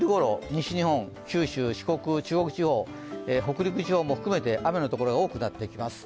西日本、九州、四国、中国地方北陸地方も含めて雨の所が多くなってきます。